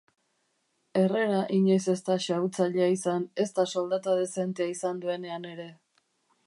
Herrera inoiz ez da xahutzailea izan, ezta soldata dezentea izan duenean ere.